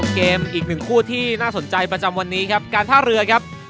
การท่าเรือ